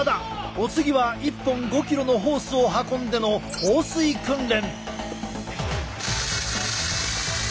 お次は１本５ｋｇのホースを運んでの放水訓練。